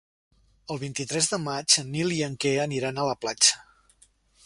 El vint-i-tres de maig en Nil i en Quer aniran a la platja.